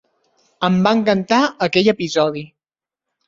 Em va encantar aquell episodi!